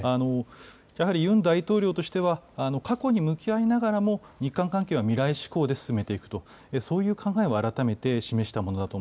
やはりユン大統領としては、過去に向き合いながらも、日韓関係は未来志向で進めていくと、そういう考えを改めて示したものだと思